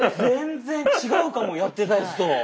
全然違うかもやってたやつと。